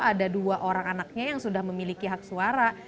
ada dua orang anaknya yang sudah memiliki hak suara